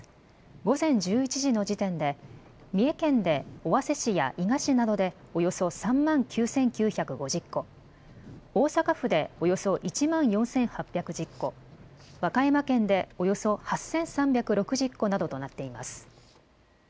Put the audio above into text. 午前１１時の時点で三重県で尾鷲市や伊賀市などでおよそ３万９９５０戸、大阪府でおよそ１万４８１０戸、和歌山県でおよそ８３６０戸などとなっています。